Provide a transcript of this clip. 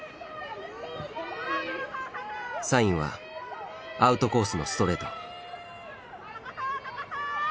サインはアウトコースのストレート。